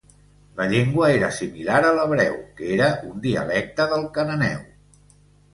La llengua era similar a l'hebreu, que era un dialecte del cananeu.